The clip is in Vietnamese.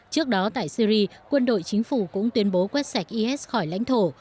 trước đó tại syri quân đội chính phủ cũng tuyên bố quét sạch is khỏi lãnh thổ